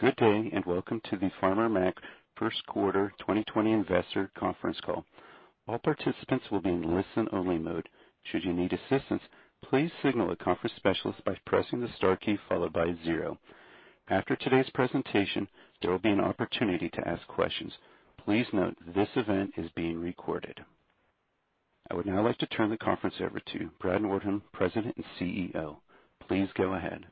Good day, and welcome to the Farmer Mac first quarter 2020 investor conference call. All participants will be in listen-only mode. Should you need assistance, please signal a conference specialist by pressing the star key followed by zero. After today's presentation, there will be an opportunity to ask questions. Please note this event is being recorded. I would now like to turn the conference over to Brad Nordholm, President and CEO. Please go ahead.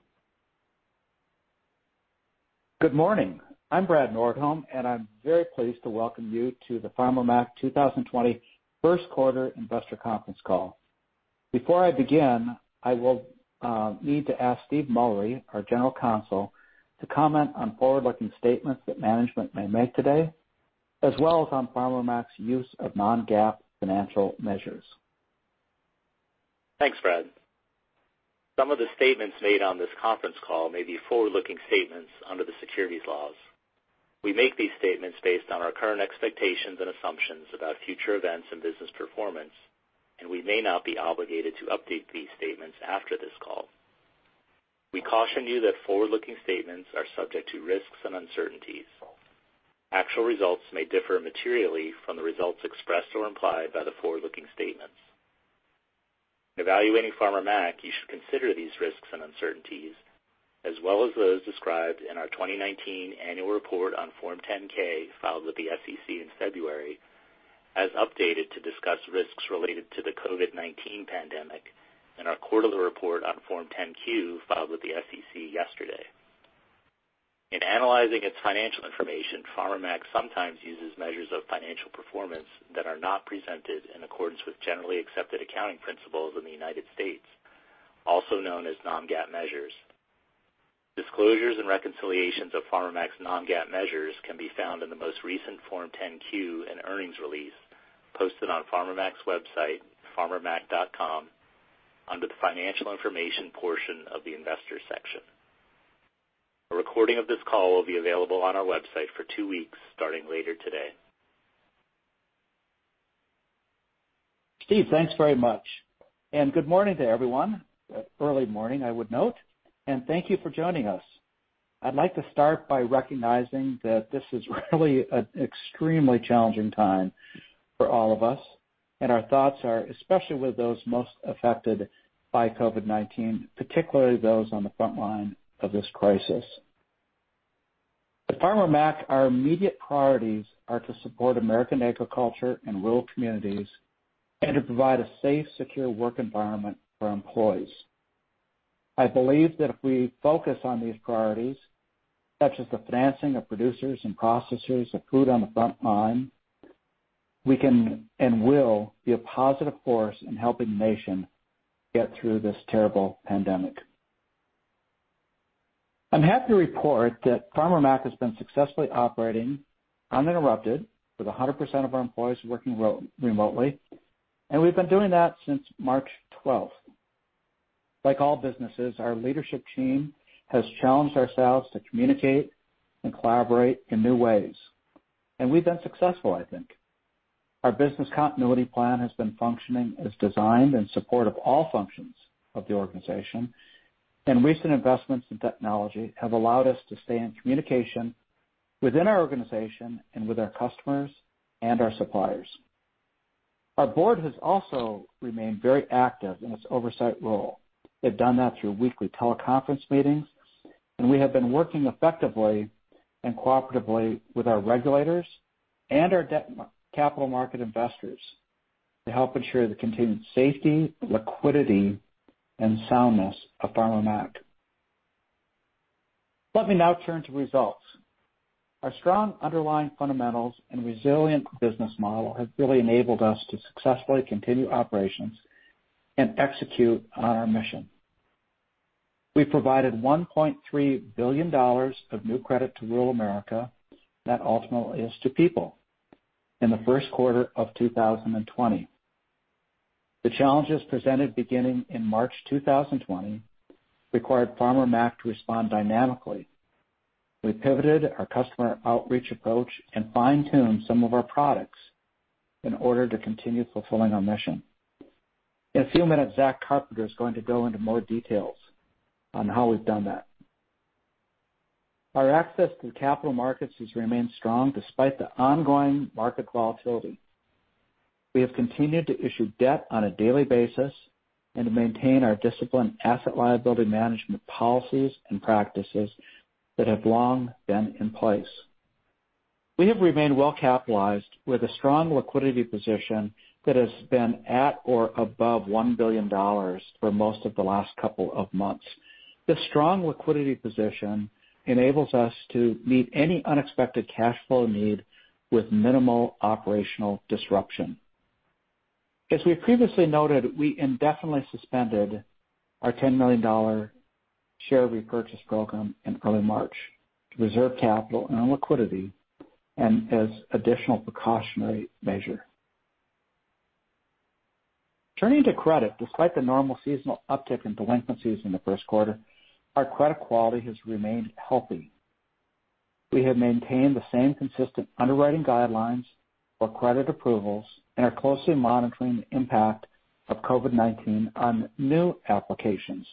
Good morning. I'm Brad Nordholm, and I'm very pleased to welcome you to the Farmer Mac 2020 first quarter investor conference call. Before I begin, I will need to ask Stephen P. Mullery, our General Counsel, to comment on forward-looking statements that management may make today, as well as on Farmer Mac's use of Non-GAAP financial measures. Thanks, Brad. Some of the statements made on this conference call may be forward-looking statements under the securities laws. We make these statements based on our current expectations and assumptions about future events and business performance, and we may not be obligated to update these statements after this call. We caution you that forward-looking statements are subject to risks and uncertainties. Actual results may differ materially from the results expressed or implied by the forward-looking statements. In evaluating Farmer Mac, you should consider these risks and uncertainties, as well as those described in our 2019 annual report on Form 10-K, filed with the SEC in February, as updated to discuss risks related to the COVID-19 pandemic in our quarterly report on Form 10-Q, filed with the SEC yesterday. In analyzing its financial information, Farmer Mac sometimes uses measures of financial performance that are not presented in accordance with generally accepted accounting principles in the United States, also known as Non-GAAP measures. Disclosures and reconciliations of Farmer Mac's Non-GAAP measures can be found in the most recent Form 10-Q and earnings release posted on Farmer Mac's website, farmermac.com, under the financial information portion of the investor section. A recording of this call will be available on our website for two weeks starting later today. Stephen P. Mullery, thanks very much, and good morning to everyone. Early morning, I would note, and thank you for joining us. I'd like to start by recognizing that this is really an extremely challenging time for all of us, and our thoughts are especially with those most affected by COVID-19, particularly those on the frontline of this crisis. At Farmer Mac, our immediate priorities are to support American agriculture and rural communities and to provide a safe, secure work environment for our employees. I believe that if we focus on these priorities, such as the financing of producers and processors of food on the front line, we can and will be a positive force in helping the nation get through this terrible pandemic. I'm happy to report that Farmer Mac has been successfully operating uninterrupted with 100% of our employees working remotely, and we've been doing that since March 12th. Like all businesses, our leadership team has challenged ourselves to communicate and collaborate in new ways, and we've been successful, I think. Our business continuity plan has been functioning as designed in support of all functions of the organization, and recent investments in technology have allowed us to stay in communication within our organization and with our customers and our suppliers. Our board has also remained very active in its oversight role. They've done that through weekly teleconference meetings, and we have been working effectively and cooperatively with our regulators and our capital market investors to help ensure the continued safety, liquidity, and soundness of Farmer Mac. Let me now turn to results. Our strong underlying fundamentals and resilient business model have really enabled us to successfully continue operations and execute on our mission. We provided $1.3 billion of new credit to rural America, that ultimately is to people, in the first quarter of 2020. The challenges presented beginning in March 2020 required Farmer Mac to respond dynamically. We pivoted our customer outreach approach and fine-tuned some of our products in order to continue fulfilling our mission. In a few minutes, Zach Carpenter is going to go into more details on how we've done that. Our access to the capital markets has remained strong despite the ongoing market volatility. We have continued to issue debt on a daily basis and to maintain our disciplined asset liability management policies and practices that have long been in place. We have remained well-capitalized with a strong liquidity position that has been at or above $1 billion for most of the last couple of months. This strong liquidity position enables us to meet any unexpected cash flow need with minimal operational disruption. As we previously noted, we indefinitely suspended our $10 million share repurchase program in early March to reserve capital and liquidity and as additional precautionary measure. Turning to credit, despite the normal seasonal uptick in delinquencies in the first quarter, our credit quality has remained healthy. We have maintained the same consistent underwriting guidelines for credit approvals and are closely monitoring the impact of COVID-19 on new applications.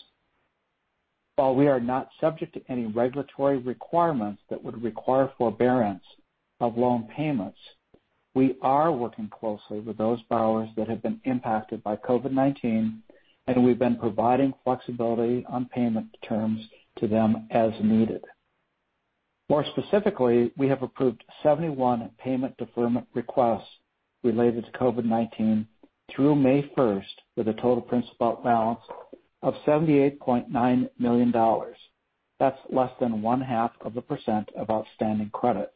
While we are not subject to any regulatory requirements that would require forbearance of loan payments, we are working closely with those borrowers that have been impacted by COVID-19, and we've been providing flexibility on payment terms to them as needed. More specifically, we have approved 71 payment deferment requests related to COVID-19 through May 1st, with a total principal balance of $78.9 million. That's less than one-half of a % of outstanding credit.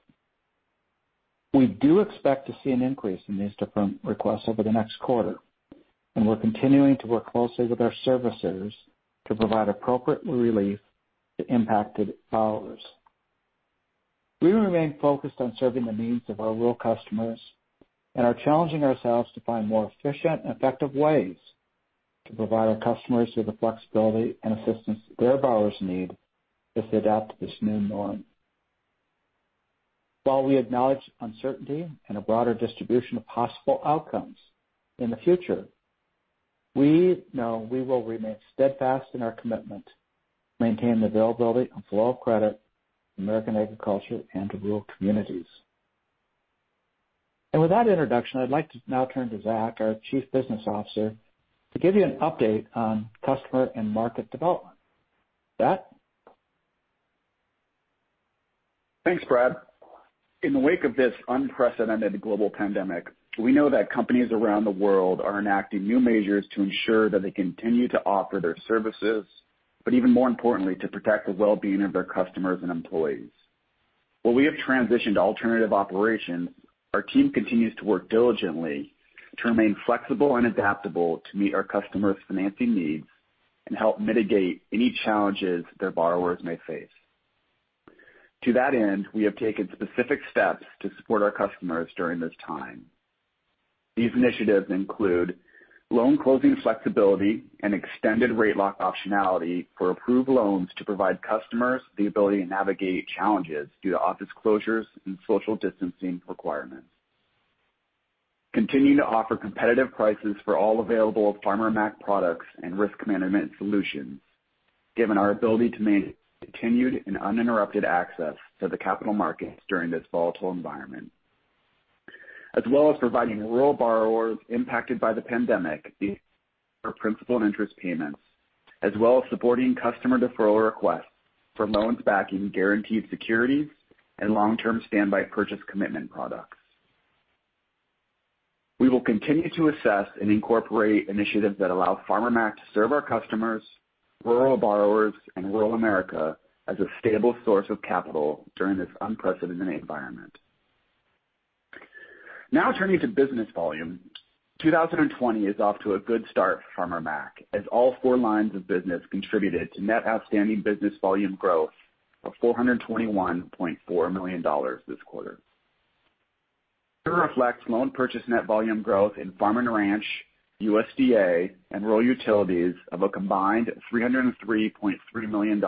We do expect to see an increase in these deferment requests over the next quarter, and we're continuing to work closely with our servicers to provide appropriate relief to impacted borrowers. We remain focused on serving the needs of our rural customers and are challenging ourselves to find more efficient and effective ways to provide our customers with the flexibility and assistance their borrowers need as they adapt to this new norm. While we acknowledge uncertainty and a broader distribution of possible outcomes in the future, we know we will remain steadfast in our commitment to maintain the availability and flow of credit to American agriculture and to rural communities. With that introduction, I'd like to now turn to Zach, our Chief Business Officer, to give you an update on customer and market development. Zach? Thanks, Brad. In the wake of this unprecedented global pandemic, we know that companies around the world are enacting new measures to ensure that they continue to offer their services, but even more importantly, to protect the well-being of their customers and employees. While we have transitioned to alternative operations, our team continues to work diligently to remain flexible and adaptable to meet our customers' financing needs and help mitigate any challenges their borrowers may face. To that end, we have taken specific steps to support our customers during this time. These initiatives include loan closing flexibility and extended rate lock optionality for approved loans to provide customers the ability to navigate challenges due to office closures and social distancing requirements. Continuing to offer competitive prices for all available Farmer Mac products and risk management solutions, given our ability to maintain continued and uninterrupted access to the capital markets during this volatile environment, as well as providing rural borrowers impacted by the pandemic for principal and interest payments, as well as supporting customer deferral requests for loans backing guaranteed securities and long-term standby purchase commitment products. We will continue to assess and incorporate initiatives that allow Farmer Mac to serve our customers, rural borrowers, and rural America as a stable source of capital during this unprecedented environment. Now turning to business volume. 2020 is off to a good start for Farmer Mac, as all four lines of business contributed to net outstanding business volume growth of $421.4 million this quarter. This reflects loan purchase net volume growth in farm and ranch, USDA, and rural utilities of a combined $303.3 million,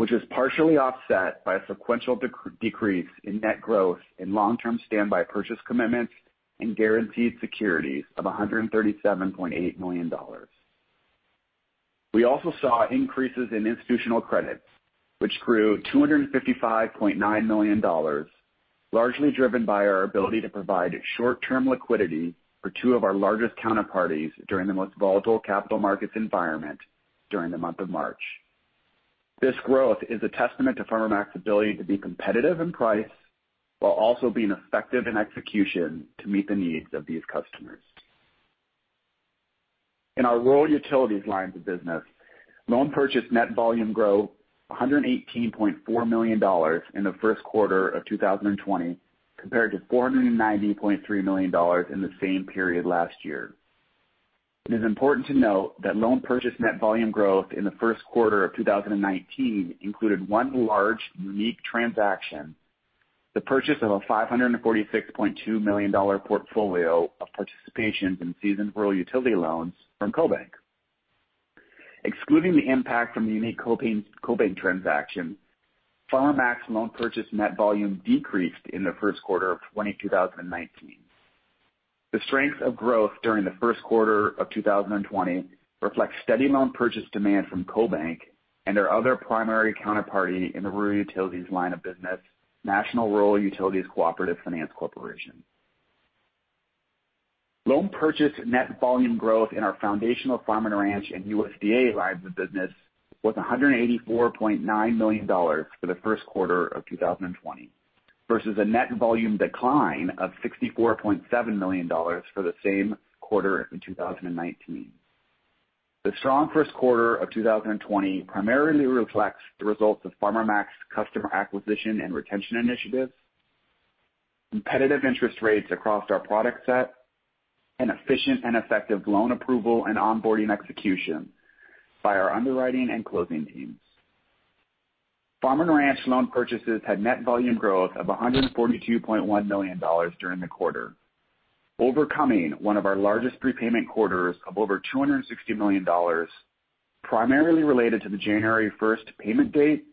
which is partially offset by a sequential decrease in net growth in long-term standby purchase commitments and guaranteed securities of $137.8 million. We also saw increases in institutional credits, which grew $255.9 million, largely driven by our ability to provide short-term liquidity for two of our largest counterparties during the most volatile capital markets environment during the month of March. This growth is a testament to Farmer Mac's ability to be competitive in price while also being effective in execution to meet the needs of these customers. In our rural utilities lines of business, loan purchase net volume grow $118.4 million in the first quarter of 2020 compared to $490.3 million in the same period last year. It is important to note that loan purchase net volume growth in the first quarter of 2019 included one large, unique transaction, the purchase of a $546.2 million portfolio of participations in seasoned rural utility loans from CoBank. Excluding the impact from the unique CoBank transaction, Farmer Mac's loan purchase net volume decreased in the first quarter of 2019. The strength of growth during the first quarter of 2020 reflects steady loan purchase demand from CoBank and our other primary counterparty in the rural utilities line of business, National Rural Utilities Cooperative Finance Corporation. Loan purchase net volume growth in our foundational farm and ranch and USDA lines of business was $184.9 million for the first quarter of 2020 versus a net volume decline of $64.7 million for the same quarter in 2019. The strong first quarter of 2020 primarily reflects the results of Farmer Mac's customer acquisition and retention initiatives, competitive interest rates across our product set, and efficient and effective loan approval and onboarding execution by our underwriting and closing teams. Farm and ranch loan purchases had net volume growth of $142.1 million during the quarter, overcoming one of our largest prepayment quarters of over $260 million, primarily related to the January 1st payment date,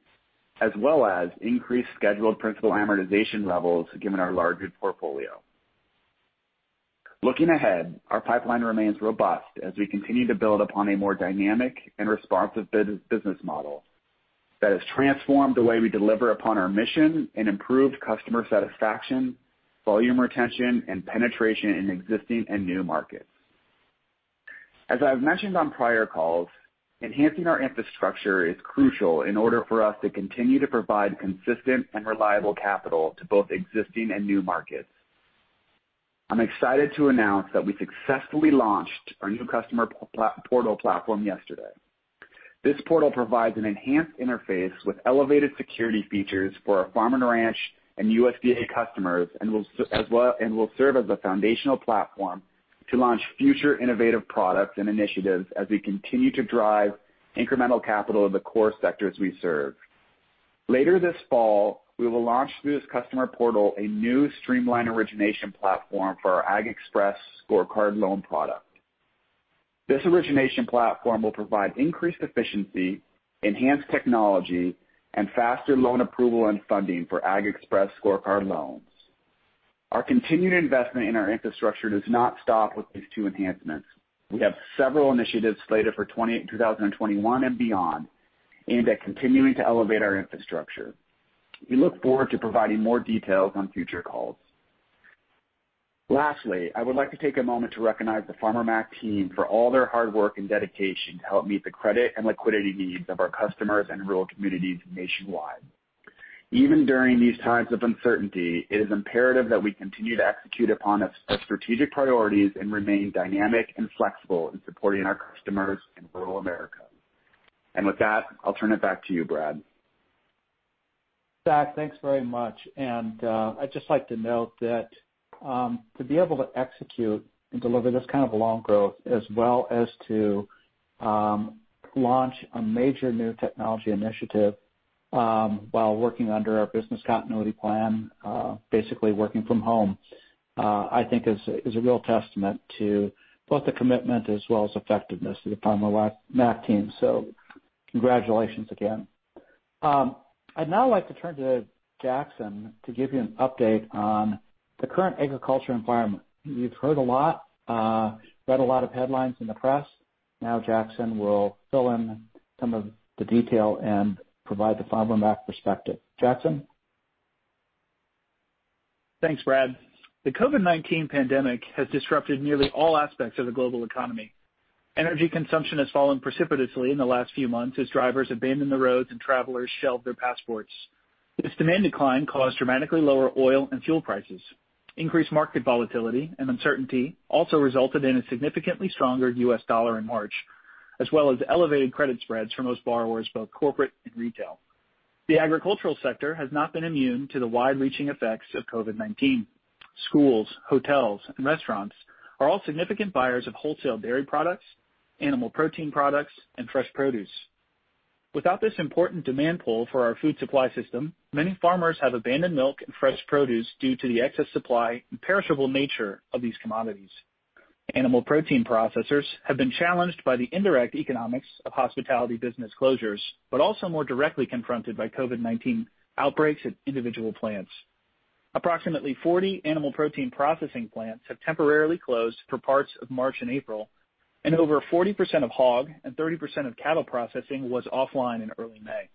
as well as increased scheduled principal amortization levels given our larger portfolio. Looking ahead, our pipeline remains robust as we continue to build upon a more dynamic and responsive business model that has transformed the way we deliver upon our mission and improved customer satisfaction, volume retention, and penetration in existing and new markets. As I've mentioned on prior calls, enhancing our infrastructure is crucial in order for us to continue to provide consistent and reliable capital to both existing and new markets. I'm excited to announce that we successfully launched our new customer portal platform yesterday. This portal provides an enhanced interface with elevated security features for our farm and ranch and USDA customers, and will serve as a foundational platform to launch future innovative products and initiatives as we continue to drive incremental capital in the core sectors we serve. Later this fall, we will launch through this customer portal a new streamlined origination platform for our Ag Express Scorecard loan product. This origination platform will provide increased efficiency, enhanced technology, and faster loan approval and funding for Ag Express Scorecard loans. Our continued investment in our infrastructure does not stop with these two enhancements. We have several initiatives slated for 2021 and beyond aimed at continuing to elevate our infrastructure. We look forward to providing more details on future calls. Lastly, I would like to take a moment to recognize the Farmer Mac team for all their hard work and dedication to help meet the credit and liquidity needs of our customers and rural communities nationwide. Even during these times of uncertainty, it is imperative that we continue to execute upon our strategic priorities and remain dynamic and flexible in supporting our customers in rural America. With that, I'll turn it back to you, Brad. Zach, thanks very much. I'd just like to note that to be able to execute and deliver this kind of loan growth as well as to launch a major new technology initiative while working under our business continuity plan, basically working from home, I think is a real testament to both the commitment as well as effectiveness of the Farmer Mac team. Congratulations again. I'd now like to turn to Jackson to give you an update on the current agriculture environment. You've heard a lot, read a lot of headlines in the press. Jackson will fill in some of the detail and provide the Farmer Mac perspective. Jackson? Thanks, Brad. The COVID-19 pandemic has disrupted nearly all aspects of the global economy. Energy consumption has fallen precipitously in the last few months as drivers abandon the roads and travelers shelve their passports. This demand decline caused dramatically lower oil and fuel prices. Increased market volatility and uncertainty also resulted in a significantly stronger US dollar in March, as well as elevated credit spreads for most borrowers, both corporate and retail. The agricultural sector has not been immune to the wide-reaching effects of COVID-19. Schools, hotels, and restaurants are all significant buyers of wholesale dairy products, animal protein products, and fresh produce. Without this important demand pool for our food supply system, many farmers have abandoned milk and fresh produce due to the excess supply and perishable nature of these commodities. Animal protein processors have been challenged by the indirect economics of hospitality business closures, but also more directly confronted by COVID-19 outbreaks at individual plants. Approximately 40 animal protein processing plants have temporarily closed for parts of March and April, and over 40% of hog and 30% of cattle processing was offline in early May.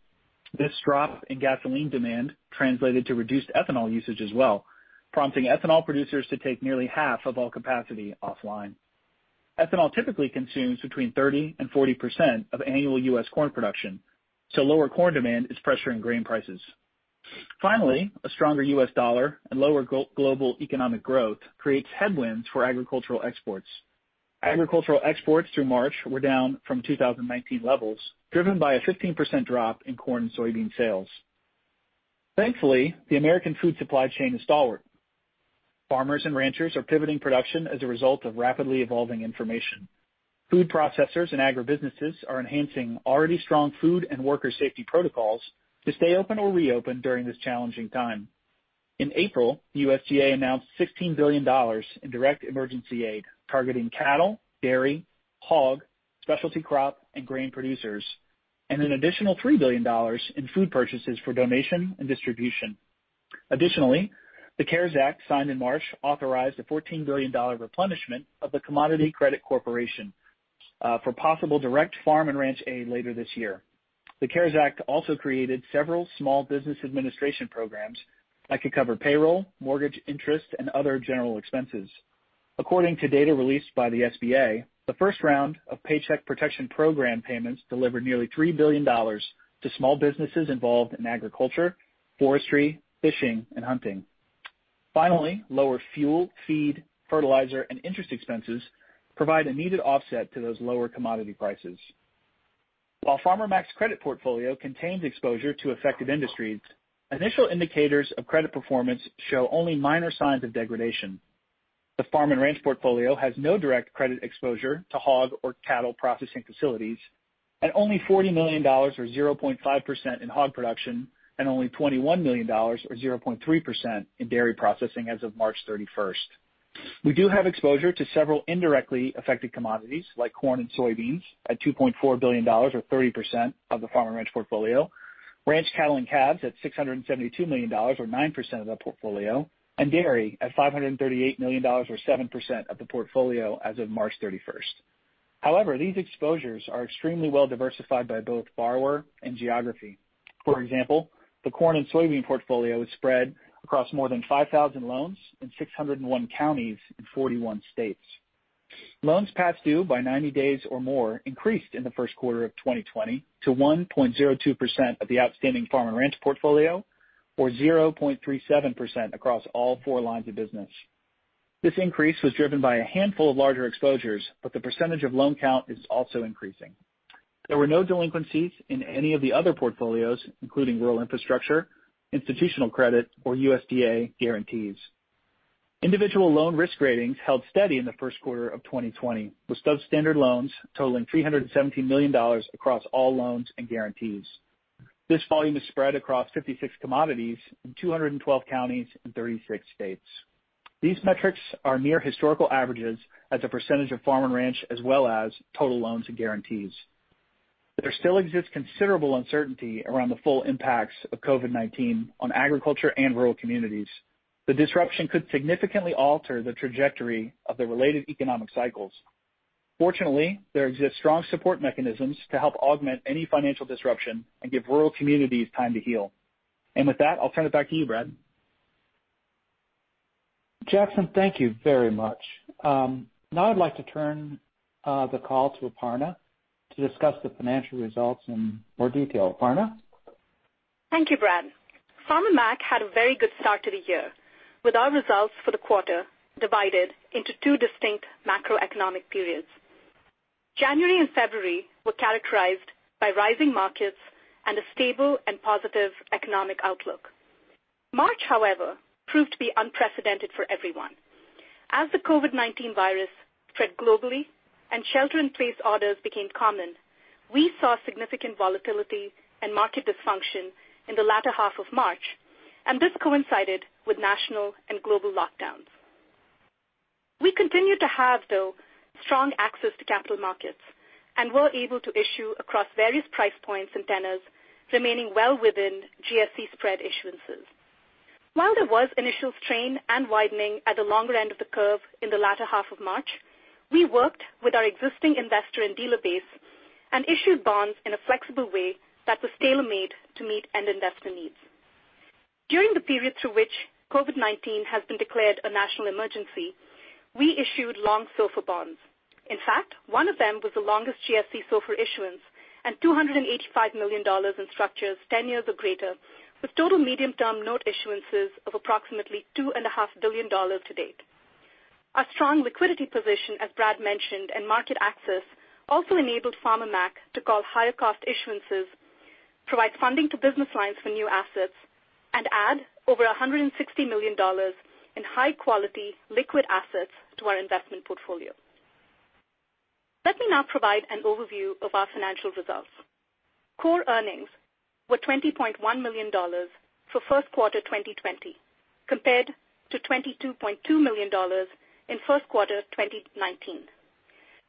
This drop in gasoline demand translated to reduced ethanol usage as well, prompting ethanol producers to take nearly half of all capacity offline. Ethanol typically consumes between 30% and 40% of annual U.S. corn production. Lower corn demand is pressuring grain prices. Finally, a stronger U.S. dollar and lower global economic growth creates headwinds for agricultural exports. Agricultural exports through March were down from 2019 levels, driven by a 15% drop in corn and soybean sales. Thankfully, the American food supply chain is stalwart. Farmers and ranchers are pivoting production as a result of rapidly evolving information. Food processors and agribusinesses are enhancing already strong food and worker safety protocols to stay open or reopen during this challenging time. In April, the USDA announced $16 billion in direct emergency aid targeting cattle, dairy, hog, specialty crop, and grain producers, and an additional $3 billion in food purchases for donation and distribution. Additionally, the CARES Act, signed in March, authorized a $14 billion replenishment of the Commodity Credit Corporation for possible direct farm and ranch aid later this year. The CARES Act also created several Small Business Administration programs that could cover payroll, mortgage interest, and other general expenses. According to data released by the SBA, the first round of Paycheck Protection Program payments delivered nearly $3 billion to small businesses involved in agriculture, forestry, fishing, and hunting. Finally, lower fuel, feed, fertilizer, and interest expenses provide a needed offset to those lower commodity prices. While Farmer Mac's credit portfolio contains exposure to affected industries, initial indicators of credit performance show only minor signs of degradation. The farm and ranch portfolio has no direct credit exposure to hog or cattle processing facilities. Only $40 million or 0.5% in hog production and only $21 million or 0.3% in dairy processing as of March 31st. We do have exposure to several indirectly affected commodities like corn and soybeans at $2.4 billion or 30% of the farm and ranch portfolio. Ranch cattle and calves at $672 million or 9% of the portfolio, and dairy at $538 million or 7% of the portfolio as of March 31st. These exposures are extremely well diversified by both borrower and geography. For example, the corn and soybean portfolio is spread across more than 5,000 loans in 601 counties in 41 states. Loans past due by 90 days or more increased in the first quarter of 2020 to 1.02% of the outstanding farm and ranch portfolio or 0.37% across all four lines of business. This increase was driven by a handful of larger exposures, but the percentage of loan count is also increasing. There were no delinquencies in any of the other portfolios, including rural infrastructure, institutional credit, or USDA guarantees. Individual loan risk ratings held steady in the first quarter of 2020, with substandard loans totaling $317 million across all loans and guarantees. This volume is spread across 56 commodities in 212 counties in 36 states. These metrics are near historical averages as a percentage of farm and ranch, as well as total loans and guarantees. There still exists considerable uncertainty around the full impacts of COVID-19 on agriculture and rural communities. The disruption could significantly alter the trajectory of the related economic cycles. Fortunately, there exists strong support mechanisms to help augment any financial disruption and give rural communities time to heal. With that, I'll turn it back to you, Brad. Jackson, thank you very much. Now I'd like to turn the call to Aparna to discuss the financial results in more detail. Aparna? Thank you, Brad. Farmer Mac had a very good start to the year, with our results for the quarter divided into two distinct macroeconomic periods. January and February were characterized by rising markets and a stable and positive economic outlook. March, however, proved to be unprecedented for everyone. As the COVID-19 virus spread globally and shelter in place orders became common, we saw significant volatility and market dysfunction in the latter half of March, and this coincided with national and global lockdowns. We continued to have, though, strong access to capital markets and were able to issue across various price points and tenors, remaining well within GSE spread issuances. While there was initial strain and widening at the longer end of the curve in the latter half of March, we worked with our existing investor and dealer base and issued bonds in a flexible way that was tailor-made to meet end investor needs. During the period through which COVID-19 has been declared a national emergency, we issued long SOFR bonds. In fact, one of them was the longest GSE SOFR issuance at $285 million in structures 10 years or greater, with total medium-term note issuances of approximately $2.5 billion to date. Our strong liquidity position, as Brad mentioned, and market access also enabled Farmer Mac to call higher cost issuances, provide funding to business lines for new assets, and add over $160 million in high-quality liquid assets to our investment portfolio. Let me now provide an overview of our financial results. Core earnings were $20.1 million for first quarter 2020 compared to $22.2 million in first quarter 2019.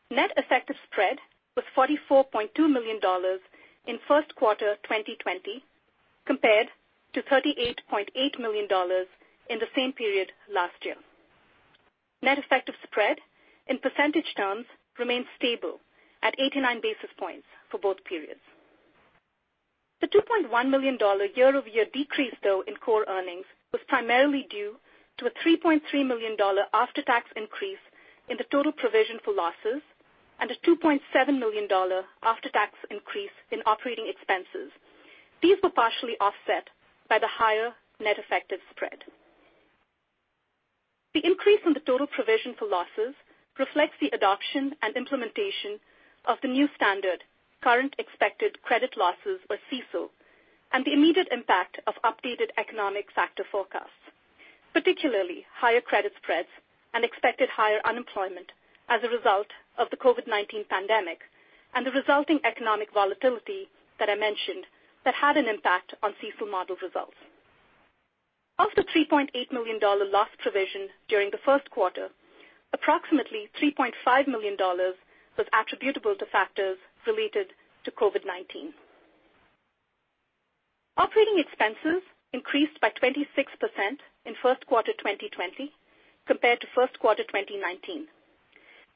Net effective spread was $44.2 million in first quarter 2020 compared to $38.8 million in the same period last year. Net effective spread in percentage terms remained stable at 89 basis points for both periods. The $2.1 million year-over-year decrease, though, in core earnings was primarily due to a $3.3 million after-tax increase in the total provision for losses and a $2.7 million after-tax increase in operating expenses. These were partially offset by the higher net effective spread. The increase in the total provision for losses reflects the adoption and implementation of the new standard Current Expected Credit Losses, or CECL, and the immediate impact of updated economic factor forecasts, particularly higher credit spreads and expected higher unemployment as a result of the COVID-19 pandemic and the resulting economic volatility that I mentioned that had an impact on CECL model results. Of the $3.8 million loss provision during the first quarter, approximately $3.5 million was attributable to factors related to COVID-19. Operating expenses increased by 26% in first quarter 2020 compared to first quarter 2019.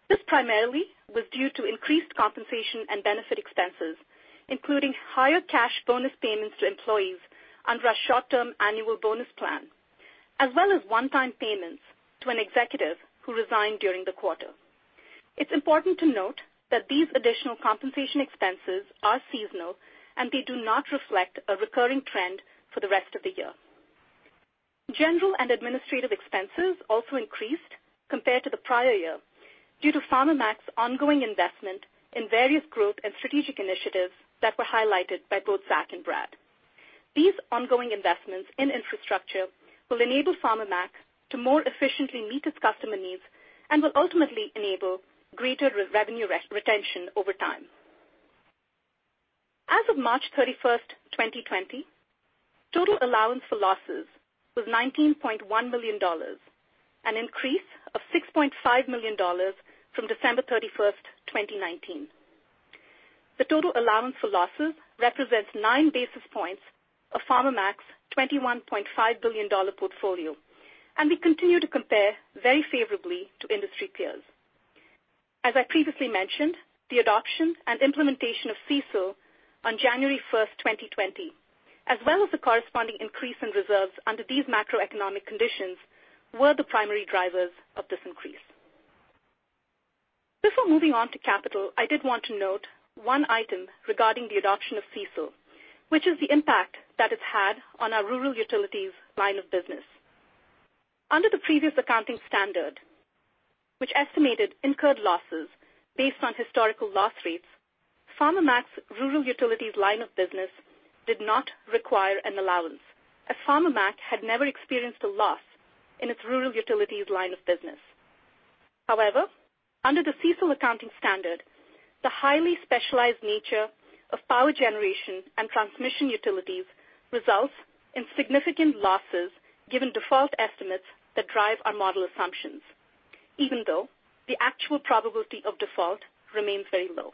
This primarily was due to increased compensation and benefit expenses, including higher cash bonus payments to employees under our short-term annual bonus plan, as well as one-time payments to an executive who resigned during the quarter. It's important to note that these additional compensation expenses are seasonal, and they do not reflect a recurring trend for the rest of the year. General and administrative expenses also increased compared to the prior year due to Farmer Mac's ongoing investment in various growth and strategic initiatives that were highlighted by both Zach and Brad. These ongoing investments in infrastructure will enable Farmer Mac to more efficiently meet its customer needs and will ultimately enable greater revenue retention over time. As of March 31st, 2020, total allowance for losses was $19.1 million, an increase of $6.5 million from December 31st, 2019. The total allowance for losses represents nine basis points of Farmer Mac's $21.5 billion portfolio, and we continue to compare very favorably to industry peers. As I previously mentioned, the adoption and implementation of CECL on January 1st, 2020, as well as the corresponding increase in reserves under these macroeconomic conditions, were the primary drivers of this increase. Before moving on to capital, I did want to note one item regarding the adoption of CECL, which is the impact that it's had on our rural utilities line of business. Under the previous accounting standard, which estimated incurred losses based on historical loss rates, Farmer Mac's rural utilities line of business did not require an allowance, as Farmer Mac had never experienced a loss in its rural utilities line of business. However, under the CECL accounting standard, the highly specialized nature of power generation and transmission utilities results in significant losses given default estimates that drive our model assumptions, even though the actual probability of default remains very low.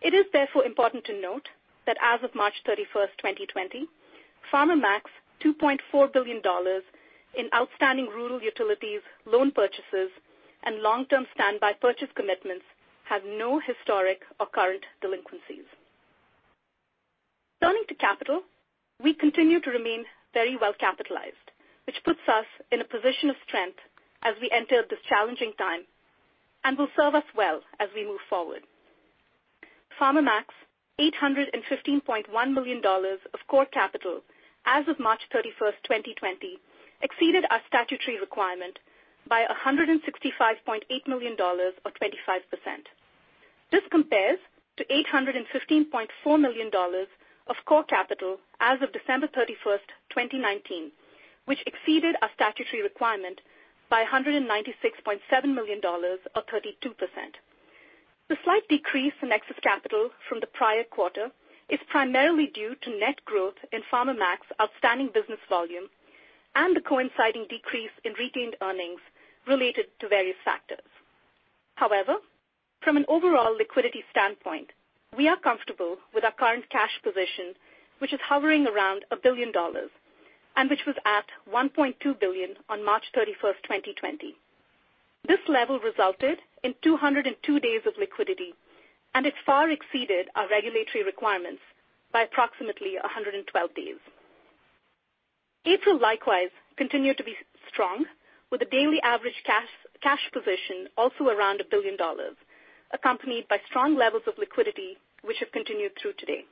It is therefore important to note that as of March 31st, 2020, Farmer Mac's $2.4 billion in outstanding rural utilities loan purchases and long-term standby purchase commitments have no historic or current delinquencies. Turning to capital, we continue to remain very well capitalized, which puts us in a position of strength as we enter this challenging time and will serve us well as we move forward. Farmer Mac's $815.1 million of core capital as of March 31st, 2020, exceeded our statutory requirement by $165.8 million or 25%. This compares to $815.4 million of core capital as of December 31st, 2019, which exceeded our statutory requirement by $196.7 million or 32%. The slight decrease in excess capital from the prior quarter is primarily due to net growth in Farmer Mac's outstanding business volume and the coinciding decrease in retained earnings related to various factors. However, from an overall liquidity standpoint, we are comfortable with our current cash position, which is hovering around $1 billion and which was at $1.2 billion on March 31, 2020. This level resulted in 202 days of liquidity, and it far exceeded our regulatory requirements by approximately 112 days. April likewise continued to be strong with a daily average cash position also around $1 billion, accompanied by strong levels of liquidity, which have continued through today.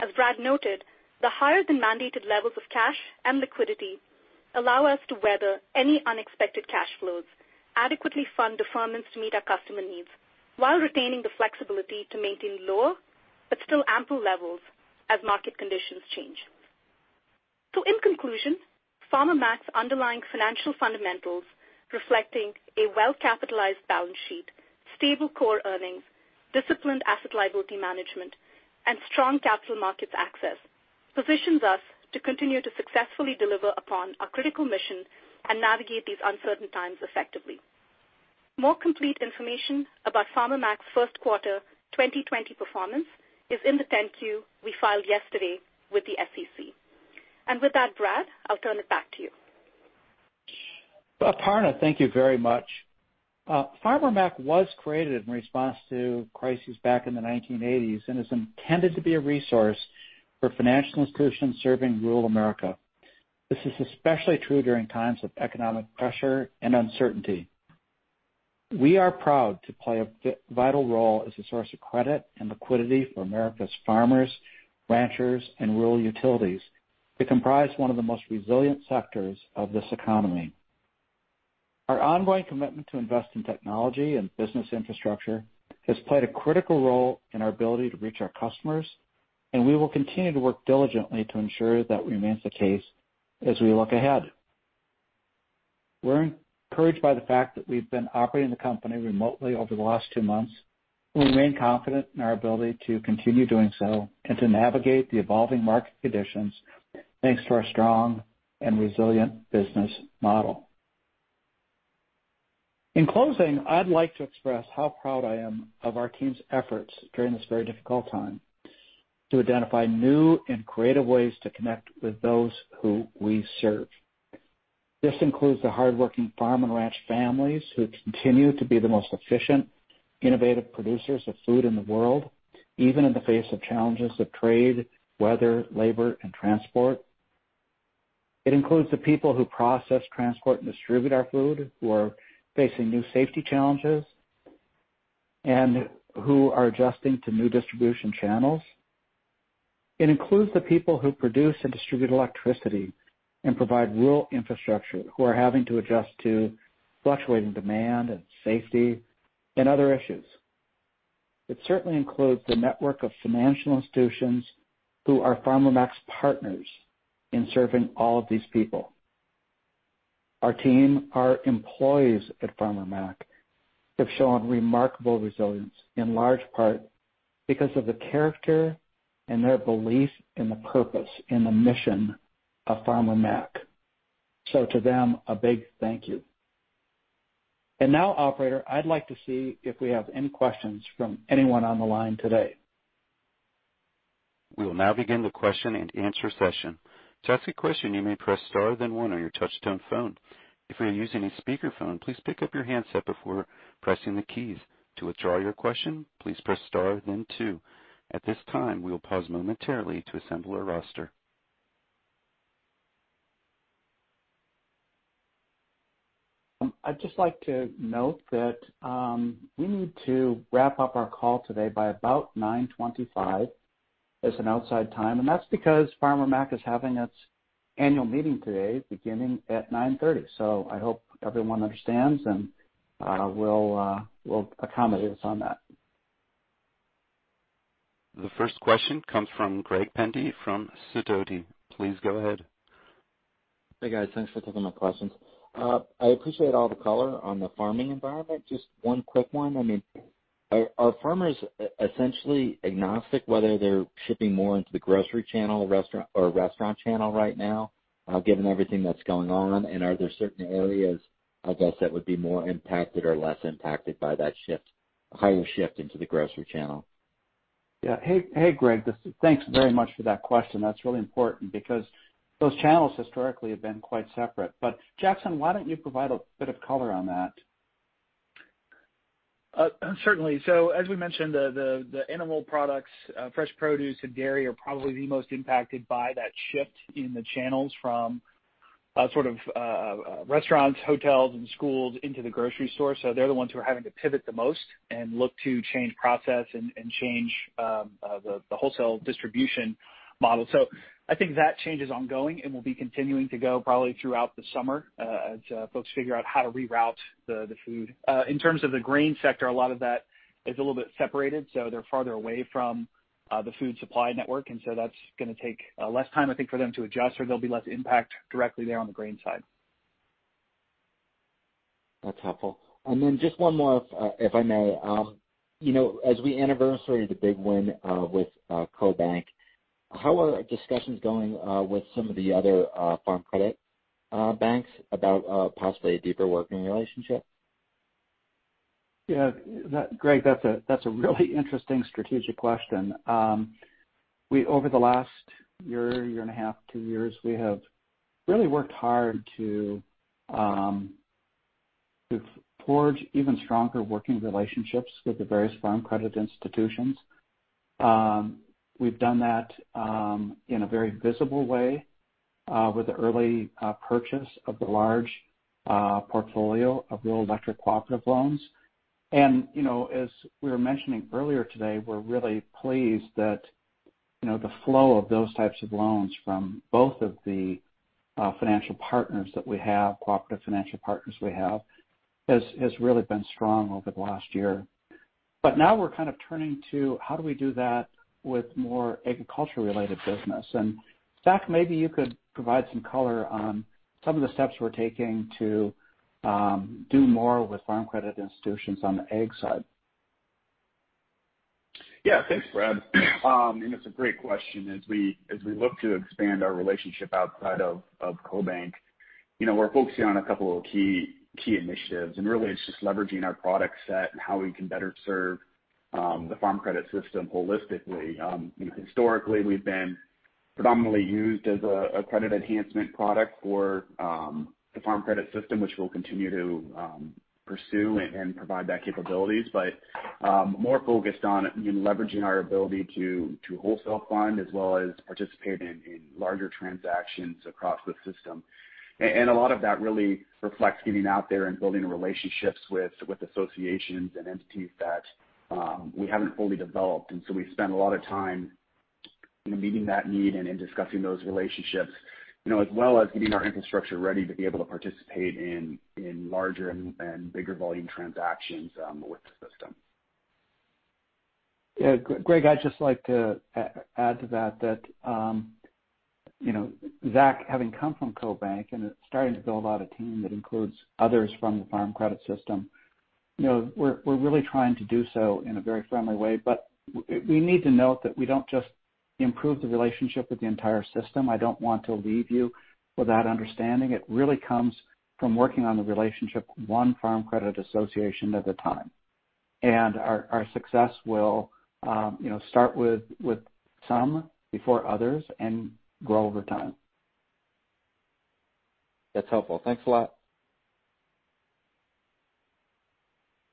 As Brad noted, the higher-than-mandated levels of cash and liquidity allow us to weather any unexpected cash flows, adequately fund deferments to meet our customer needs, while retaining the flexibility to maintain lower, but still ample levels as market conditions change. In conclusion, Farmer Mac's underlying financial fundamentals, reflecting a well-capitalized balance sheet, stable core earnings, disciplined asset liability management, and strong capital markets access, positions us to continue to successfully deliver upon our critical mission and navigate these uncertain times effectively. More complete information about Farmer Mac's first quarter 2020 performance is in the Form 10-Q we filed yesterday with the SEC. With that, Brad, I'll turn it back to you. Aparna, thank you very much. Farmer Mac was created in response to crises back in the 1980s and is intended to be a resource for financial institutions serving rural America. This is especially true during times of economic pressure and uncertainty. We are proud to play a vital role as a source of credit and liquidity for America's farmers, ranchers, and rural utilities that comprise one of the most resilient sectors of this economy. Our ongoing commitment to invest in technology and business infrastructure has played a critical role in our ability to reach our customers, and we will continue to work diligently to ensure that remains the case as we look ahead. We're encouraged by the fact that we've been operating the company remotely over the last two months. We remain confident in our ability to continue doing so and to navigate the evolving market conditions, thanks to our strong and resilient business model. In closing, I'd like to express how proud I am of our team's efforts during this very difficult time to identify new and creative ways to connect with those who we serve. This includes the hardworking farm and ranch families who continue to be the most efficient, innovative producers of food in the world, even in the face of challenges of trade, weather, labor, and transport. It includes the people who process, transport, and distribute our food, who are facing new safety challenges and who are adjusting to new distribution channels. It includes the people who produce and distribute electricity and provide rural infrastructure, who are having to adjust to fluctuating demand and safety and other issues. It certainly includes the network of financial institutions who are Farmer Mac's partners in serving all of these people. Our team, our employees at Farmer Mac have shown remarkable resilience, in large part because of the character and their belief in the purpose and the mission of Farmer Mac. To them, a big thank you. Now, operator, I'd like to see if we have any questions from anyone on the line today. We will now begin the question and answer session. To ask a question, you may press star then one on your touch-tone phone. If you are using a speakerphone, please pick up your handset before pressing the keys. To withdraw your question, please press star then two. At this time, we will pause momentarily to assemble a roster. I'd just like to note that we need to wrap up our call today by about 9:25 A.M. as an outside time, and that's because Farmer Mac is having its annual meeting today beginning at 9:30 A.M. I hope everyone understands and will accommodate us on that. The first question comes from Greg Penty from Sidoti & Company. Please go ahead. Hey, guys. Thanks for taking my questions. I appreciate all the color on the farming environment. Just one quick one. Are farmers essentially agnostic whether they're shipping more into the grocery channel or restaurant channel right now, given everything that's going on? Are there certain areas, I guess, that would be more impacted or less impacted by that higher shift into the grocery channel? Yeah. Hey, Greg. Thanks very much for that question. That's really important because those channels historically have been quite separate. Jackson, why don't you provide a bit of color on that? Certainly. As we mentioned, the animal products, fresh produce, and dairy are probably the most impacted by that shift in the channels from sort of restaurants, hotels, and schools into the grocery store. They're the ones who are having to pivot the most and look to change process and change the wholesale distribution model. I think that change is ongoing and will be continuing to go probably throughout the summer as folks figure out how to reroute the food. In terms of the grain sector, a lot of that is a little bit separated, so they're farther away from the food supply network, that's going to take less time, I think, for them to adjust, or there'll be less impact directly there on the grain side. That's helpful. Just one more, if I may. As we anniversary the big win with CoBank, how are discussions going with some of the other Farm Credit banks about possibly a deeper working relationship? Yeah. Greg, that's a really interesting strategic question. Over the last year and a half, two years, we have really worked hard to forge even stronger working relationships with the various Farm Credit institutions. We've done that in a very visible way with the early purchase of the large portfolio of Rural Electric cooperative loans. As we were mentioning earlier today, we're really pleased that the flow of those types of loans from both of the financial partners that we have, cooperative financial partners we have, has really been strong over the last year. Now we're kind of turning to how do we do that with more agriculture-related business. Zach, maybe you could provide some color on some of the steps we're taking to do more with Farm Credit institutions on the ag side. Yeah. Thanks, Brad. It's a great question. As we look to expand our relationship outside of CoBank, we're focusing on a couple of key initiatives, and really it's just leveraging our product set and how we can better serve the Farm Credit System holistically. Historically, we've been predominantly used as a credit enhancement product for the Farm Credit System, which we'll continue to pursue and provide that capabilities. More focused on leveraging our ability to wholesale fund, as well as participate in larger transactions across the system. A lot of that really reflects getting out there and building relationships with associations and entities that we haven't fully developed. We've spent a lot of time meeting that need and in discussing those relationships, as well as getting our infrastructure ready to be able to participate in larger and bigger volume transactions with the system. Yeah. Greg, I'd just like to add to that, Zach having come from CoBank and starting to build out a team that includes others from the Farm Credit System. We need to note that we don't just improve the relationship with the entire System. I don't want to leave you with that understanding. It really comes from working on the relationship one Farm Credit Association at a time. Our success will start with some before others and grow over time. That's helpful. Thanks a lot.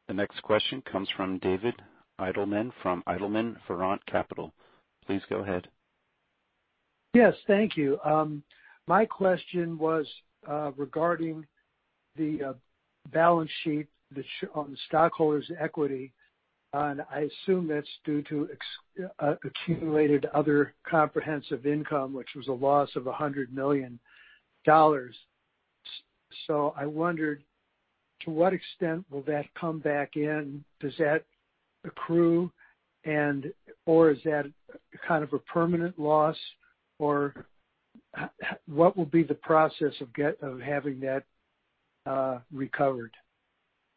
The next question comes from David Eidelman from Eidelman Virant Capital. Please go ahead. Yes, thank you. My question was regarding the balance sheet on the stockholders' equity. I assume that's due to accumulated other comprehensive income, which was a loss of $100 million. I wondered, to what extent will that come back in? Does that accrue, or is that kind of a permanent loss? What will be the process of having that recovered?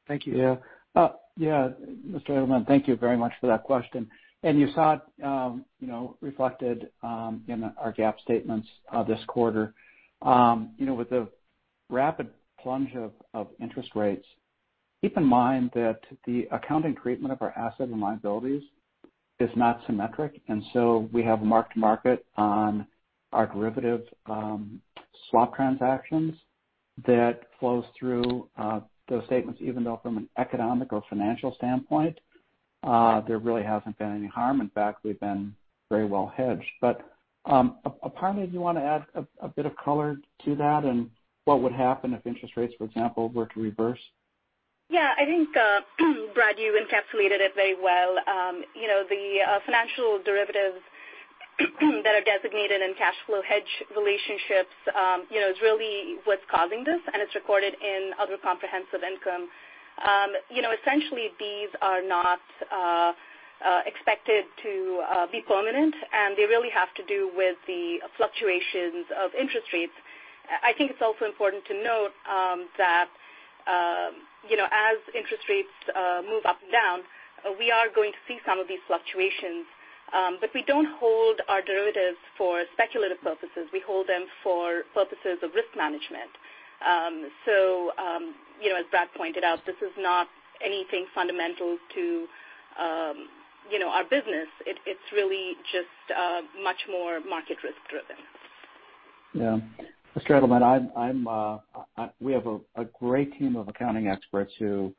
Thank you. Yeah. Mr. Eidelman, thank you very much for that question. You saw it reflected in our GAAP statements this quarter. With the rapid plunge of interest rates, keep in mind that the accounting treatment of our assets and liabilities is not symmetric, we have mark-to-market on our derivative swap transactions that flows through those statements, even though from an economic or financial standpoint, there really hasn't been any harm. In fact, we've been very well hedged. Aparna, do you want to add a bit of color to that and what would happen if interest rates, for example, were to reverse? Yeah. I think, Brad, you encapsulated it very well. The financial derivatives that are designated in cash flow hedge relationships is really what's causing this, and it's recorded in other comprehensive income. These are not expected to be permanent, and they really have to do with the fluctuations of interest rates. I think it's also important to note that as interest rates move up and down, we are going to see some of these fluctuations. We don't hold our derivatives for speculative purposes. We hold them for purposes of risk management. As Brad pointed out, this is not anything fundamental to our business. It's really just much more market risk driven. Mr. Eidelman, we have a great team of accounting experts who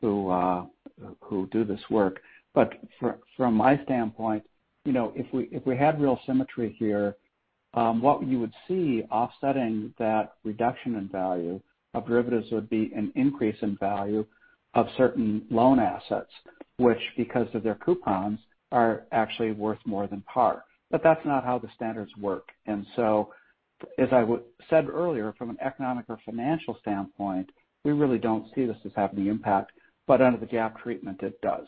do this work. From my standpoint, if we had real symmetry here, what you would see offsetting that reduction in value of derivatives would be an increase in value of certain loan assets, which, because of their coupons, are actually worth more than par. That's not how the standards work. As I said earlier, from an economic or financial standpoint, we really don't see this as having impact, but under the GAAP treatment, it does.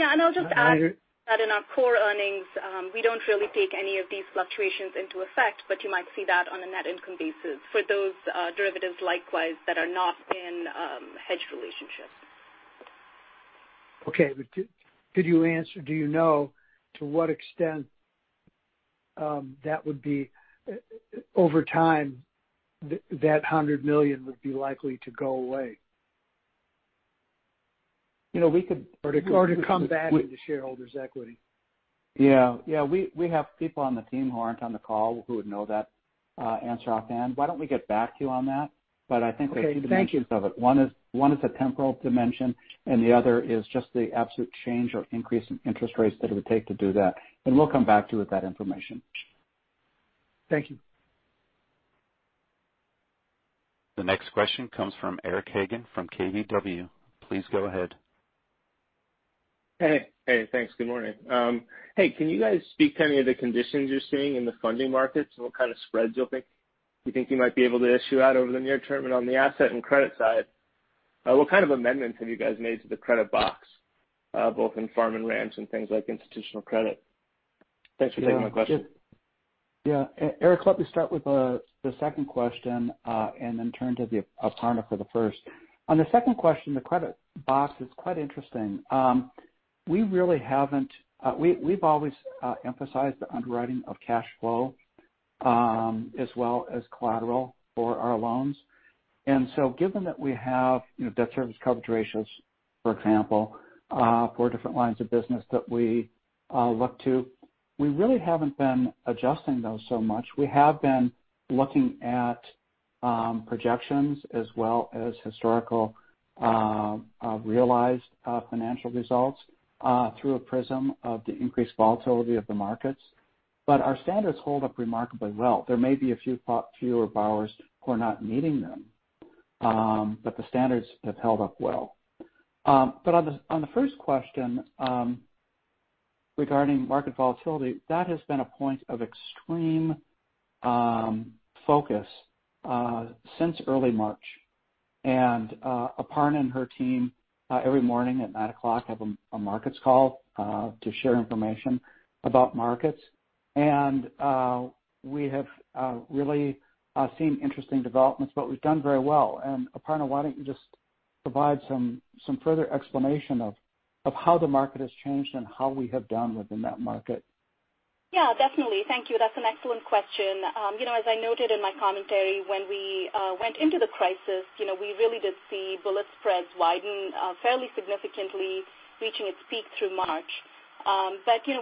I'll just add that in our core earnings, we don't really take any of these fluctuations into effect, but you might see that on a net income basis for those derivatives, likewise, that are not in hedge relationships. Okay. Could you answer, do you know to what extent that would be, over time, that $100 million would be likely to go away? We could- To come back into shareholders' equity. Yeah. We have people on the team who aren't on the call who would know that answer offhand. Why don't we get back to you on that? I think there are two dimensions of it. Okay. Thank you. One is the temporal dimension, and the other is just the absolute change or increase in interest rates that it would take to do that. We'll come back to you with that information. Thank you. The next question comes from Eric Hagen from KBW. Please go ahead. Hey. Thanks. Good morning. Hey, can you guys speak to any of the conditions you're seeing in the funding markets and what kind of spreads you think you might be able to issue out over the near term? On the asset and credit side, what kind of amendments have you guys made to the credit box, both in farm and ranch and things like institutional credit? Thanks for taking my question. Yeah. Eric, let me start with the second question, and then turn to Aparna for the first. On the second question, the credit box is quite interesting. We've always emphasized the underwriting of cash flow as well as collateral for our loans. Given that we have debt service coverage ratios, for example, for different lines of business that we look to, we really haven't been adjusting those so much. We have been looking at projections as well as historical realized financial results through a prism of the increased volatility of the markets. Our standards hold up remarkably well. There may be a few borrowers who are not meeting them, but the standards have held up well. On the first question regarding market volatility, that has been a point of extreme focus since early March. Aparna and her team, every morning at nine o'clock, have a markets call to share information about markets. We have really seen interesting developments, but we've done very well. Aparna, why don't you just provide some further explanation of how the market has changed and how we have done within that market? Yeah, definitely. Thank you. That's an excellent question. As I noted in my commentary, when we went into the crisis, we really did see bullet spreads widen fairly significantly, reaching its peak through March.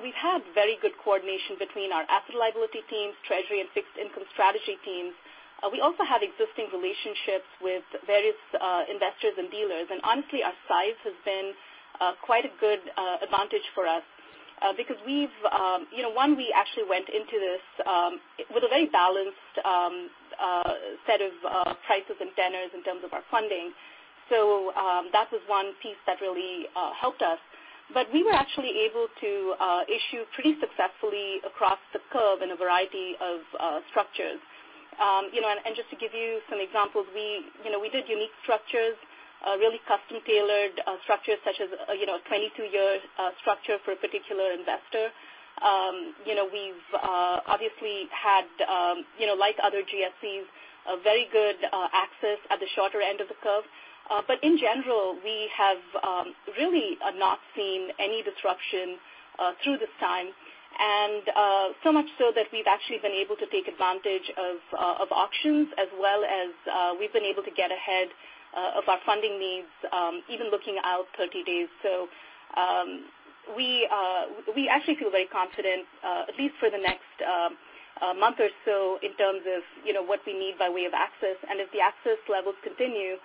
We've had very good coordination between our asset liability teams, treasury, and fixed income strategy teams. We also have existing relationships with various investors and dealers. Honestly, our size has been quite a good advantage for us because one, we actually went into this with a very balanced set of prices and tenors in terms of our funding. That was one piece that really helped us. We were actually able to issue pretty successfully across the curve in a variety of structures. Just to give you some examples, we did unique structures, really custom-tailored structures such as a 22-year structure for a particular investor. We've obviously had, like other GSEs, a very good access at the shorter end of the curve. In general, we have really not seen any disruption through this time, and so much so that we've actually been able to take advantage of auctions as well as we've been able to get ahead of our funding needs even looking out 30 days. We actually feel very confident at least for the next month or so in terms of what we need by way of access. If the access levels continue,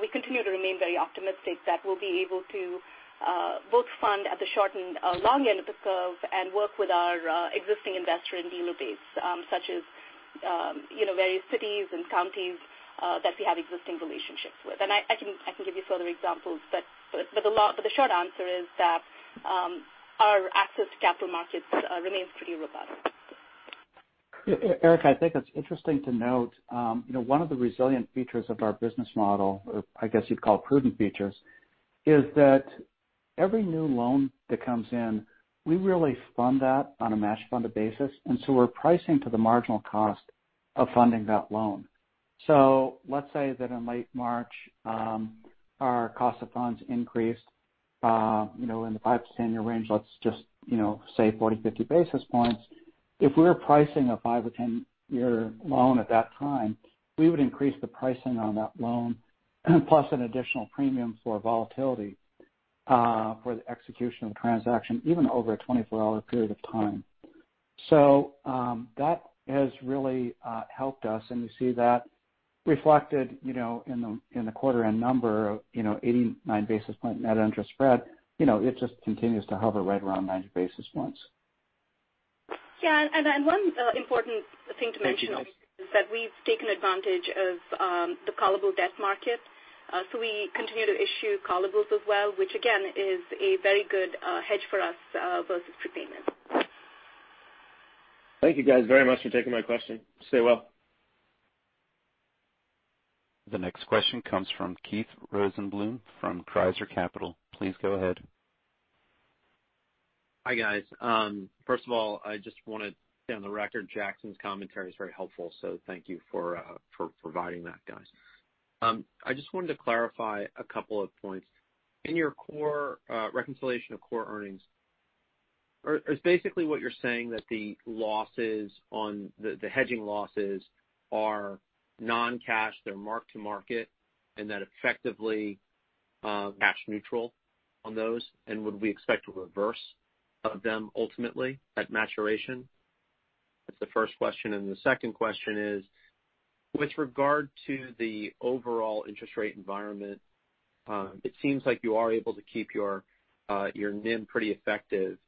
we continue to remain very optimistic that we'll be able to both fund at the short and long end of the curve and work with our existing investor and dealer base, such as various cities and counties that we have existing relationships with. I can give you further examples, but the short answer is that our access to capital markets remains pretty robust. Eric, I think it's interesting to note one of the resilient features of our business model, or I guess you'd call prudent features, is that every new loan that comes in, we really fund that on a match-funded basis. We're pricing to the marginal cost of funding that loan. Let's say that in late March, our cost of funds increased in the five to 10-year range, let's just say 40 basis points, 50 basis points. If we were pricing a five or 10-year loan at that time, we would increase the pricing on that loan, plus an additional premium for volatility for the execution of the transaction, even over a 24-hour period of time. That has really helped us, and you see that reflected in the quarter end number of 89 basis point net interest spread. It just continues to hover right around 90 basis points. Yeah. One important thing to mention. Thank you. is that we've taken advantage of the callable debt market. We continue to issue callables as well, which again, is a very good hedge for us versus prepayment. Thank you guys very much for taking my question. Stay well. The next question comes from Keith Rosenbloom from Cruiser Capital. Please go ahead. Hi, guys. First of all, I just want to get on the record, Jackson's commentary is very helpful, so thank you for providing that, guys. I just wanted to clarify a couple of points. In your reconciliation of core earnings, is basically what you're saying that the hedging losses are non-cash, they're mark-to-market, and that effectively cash neutral on those? Would we expect a reverse of them ultimately at maturation? That's the first question. The second question is, with regard to the overall interest rate environment, it seems like you are able to keep your NIM pretty effective.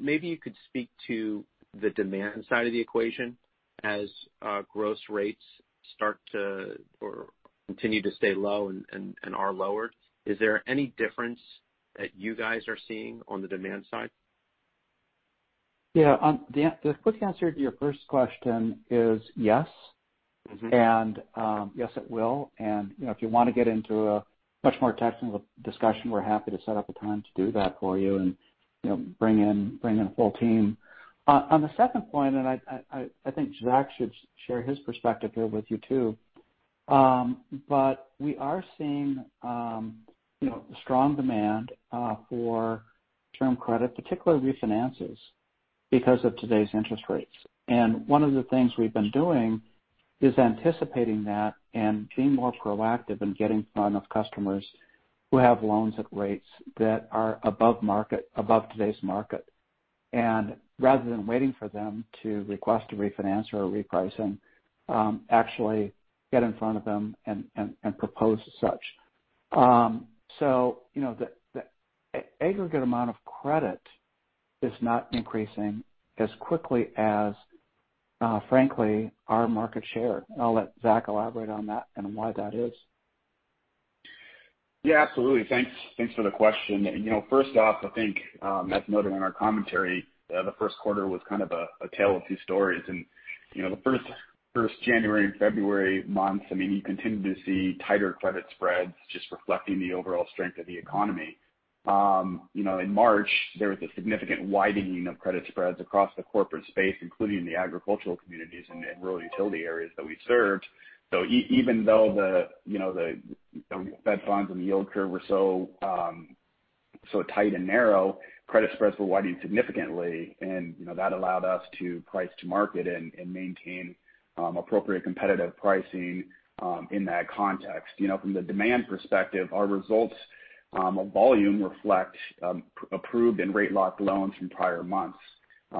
Maybe you could speak to the demand side of the equation as gross rates start to, or continue to stay low and are lowered. Is there any difference that you guys are seeing on the demand side? Yeah. The quick answer to your first question is yes. Yes, it will. If you want to get into a much more technical discussion, we're happy to set up a time to do that for you and bring in a full team. On the second point, I think Zach should share his perspective here with you, too. We are seeing strong demand for term credit, particularly refinances because of today's interest rates. One of the things we've been doing is anticipating that and being more proactive in getting in front of customers who have loans at rates that are above today's market. Rather than waiting for them to request a refinance or a repricing, actually get in front of them and propose such. The aggregate amount of credit is not increasing as quickly as, frankly, our market share. I'll let Zach elaborate on that and why that is. Yeah, absolutely. Thanks for the question. First off, I think as noted in our commentary, the first quarter was kind of a tale of two stories. The first January and February months, you continued to see tighter credit spreads just reflecting the overall strength of the economy. In March, there was a significant widening of credit spreads across the corporate space, including the agricultural communities and the rural utility areas that we served. Even though the Fed funds and the yield curve were so tight and narrow, credit spreads were widening significantly, and that allowed us to price to market and maintain appropriate competitive pricing in that context. From the demand perspective, our results on volume reflect approved and rate-locked loans from prior months.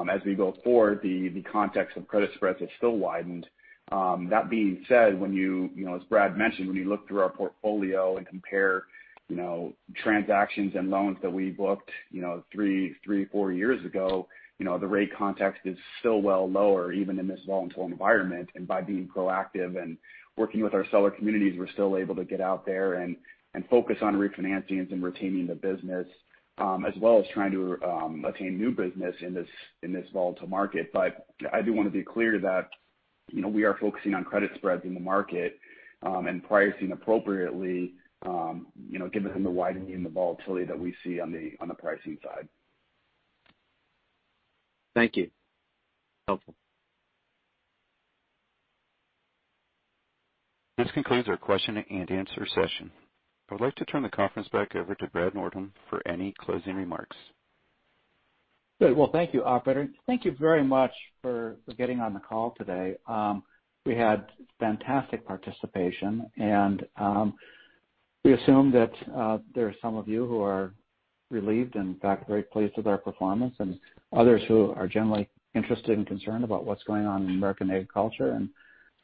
As we go forward, the context of credit spreads have still widened. That being said, as Brad mentioned, when you look through our portfolio and compare transactions and loans that we booked three, four years ago, the rate context is still well lower, even in this volatile environment. By being proactive and working with our seller communities, we're still able to get out there and focus on refinancings and retaining the business, as well as trying to attain new business in this volatile market. I do want to be clear that we are focusing on credit spreads in the market, and pricing appropriately given the widening and the volatility that we see on the pricing side. Thank you. Helpful. This concludes our question and answer session. I would like to turn the conference back over to Brad Nordholm for any closing remarks. Good. Thank you, operator. Thank you very much for getting on the call today. We had fantastic participation and we assume that there are some of you who are relieved, in fact, very pleased with our performance and others who are generally interested and concerned about what's going on in American agriculture and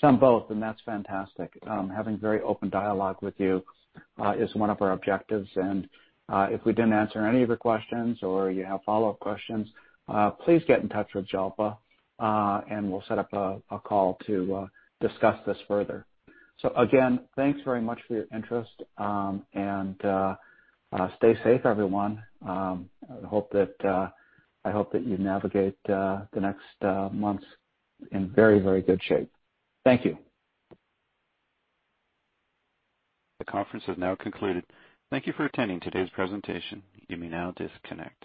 some both. That's fantastic. Having very open dialogue with you is one of our objectives. If we didn't answer any of your questions or you have follow-up questions, please get in touch with Jalpa, and we'll set up a call to discuss this further. Again, thanks very much for your interest, and stay safe, everyone. I hope that you navigate the next months in very good shape. Thank you. The conference has now concluded. Thank you for attending today's presentation. You may now disconnect.